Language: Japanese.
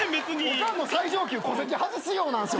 おかんの最上級「戸籍外すよ」なんすよ。